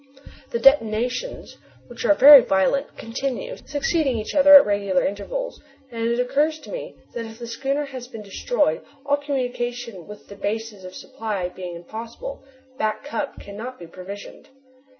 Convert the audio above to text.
The detonations, which are very violent, continue, succeeding each other at regular intervals, and it occurs to me that if the schooner has been destroyed, all communication with the bases of supply being impossible, Back Cup cannot be provisioned.